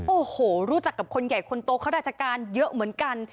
โอ้โหรู้จักกับคนใหญ่คนโตข้าราชการเยอะเหมือนกัน